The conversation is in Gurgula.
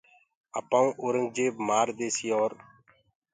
آپآئونٚ اورنٚگجيب مآرديسيٚ اور